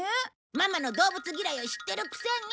ママの動物嫌いを知ってるくせに！